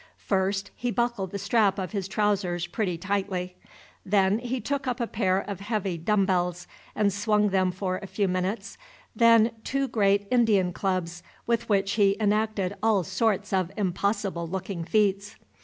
First he buckled the strap of his trousers pretty tightly. Then he took up a pair of heavy dumb bells, and swung them for a few minutes; then two great "Indian clubs," with which he enacted all sorts of impossible looking feats.